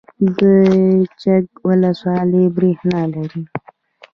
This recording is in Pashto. د چک ولسوالۍ بریښنا لري